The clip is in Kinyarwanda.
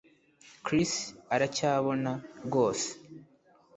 Chris aracyabona rwose